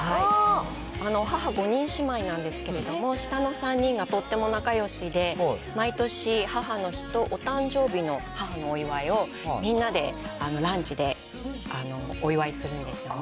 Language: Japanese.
母５人姉妹なんですけれども、下の３人がとっても仲よしで、毎年、母の日とお誕生日の母のお祝いを、みんなでランチでお祝いするんですよね。